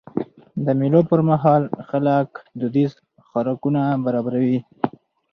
د مېلو پر مهال خلک دودیز خوراکونه برابروي.